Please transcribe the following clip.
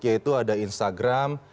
yaitu ada instagram